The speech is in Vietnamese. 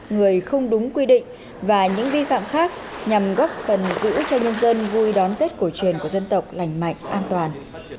người không đúng quy định và những vi phạm khác nhằm góp phần giữ cho nhân dân vui đón tết cổ truyền của dân tộc lành mạnh an toàn